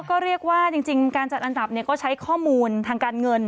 ก็เรียกว่าจริงการจัดอันดับก็ใช้ข้อมูลทางการเงิน